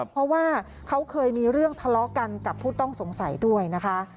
เพราะว่าเขาเคยมีเรื่องทะเลาะกันกับผู้ต้องสงสัยด้วยนะคะ